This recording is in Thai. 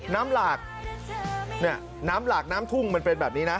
หลากเนี่ยน้ำหลากน้ำทุ่งมันเป็นแบบนี้นะ